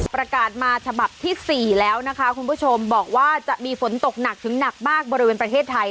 ประกาศมาฉบับที่๔แล้วนะคะคุณผู้ชมบอกว่าจะมีฝนตกหนักถึงหนักมากบริเวณประเทศไทย